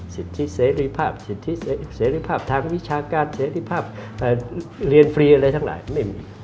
สิทธิเสรีภาพสิทธิเสรีภาพทางวิชาการเสรีภาพเรียนฟรีอะไรทั้งหลายไม่มี